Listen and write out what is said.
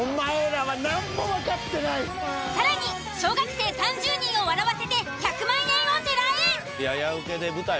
更に小学生３０人を笑わせて１００万円を狙え！